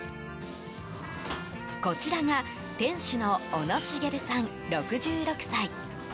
こちらが店主の小野茂さん、６６歳。